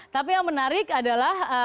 tapi yang menarik adalah